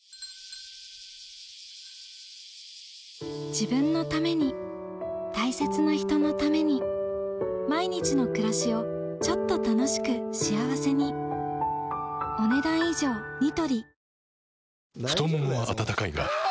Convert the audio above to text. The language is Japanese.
自分のために大切な人のために毎日の暮らしをちょっと楽しく幸せに太ももは温かいがあ！